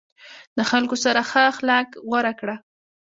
د خلکو سره ښه اخلاق غوره کړه.